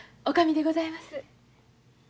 女将でございます。